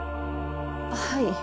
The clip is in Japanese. はい。